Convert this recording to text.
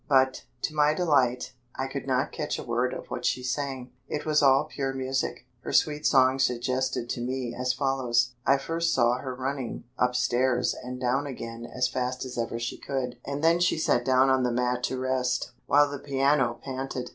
But, to my delight, I could not catch a word of what she sang. It was all pure music. Her sweet song suggested to me as follows: I first saw her running up stairs and down again as fast as ever she could, and then she sat down on the mat to rest, while the piano panted.